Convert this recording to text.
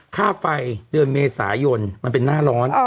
ค่าไฟเดือนเมษายนมันเป็นหน้าร้อน